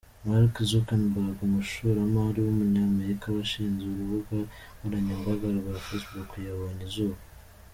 Mark Zuckerberg, umushoramari w’umunyamerika washinze urubuga nkoranyambaga rwa Facebook yabonye izuba.